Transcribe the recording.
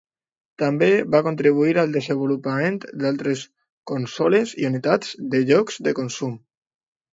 També va contribuir al desenvolupament d'altres consoles i unitats de jocs de consum.